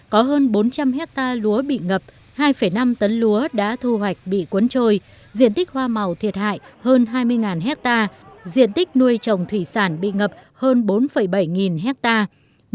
có hơn bốn trăm linh hectare lúa bị ngập hai năm tấn lúa đã thu hoạch bị cuốn trôi diện tích hoa màu thiệt hại hơn hai mươi hectare diện tích nuôi trồng thủy sản bị ngập hơn bốn bảy nghìn hectare